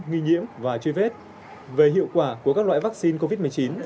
nghi nhiễm và truy vết về hiệu quả của các loại vaccine covid một mươi chín